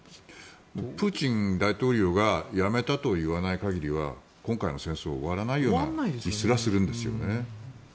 プーチン大統領がやめたといわない限りは今回の戦争は終わらないような気すらするんですよね。